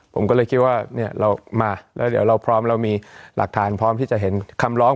ผมก็เลยคิดว่าเรามาเดี๋ยวเรามีหลักฐานพร้อมที่จะเห็นคำร้อง